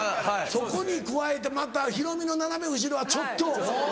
そこに加えてまたヒロミの斜め後ろはちょっと。